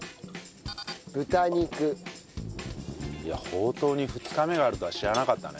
ほうとうに２日目があるとは知らなかったね。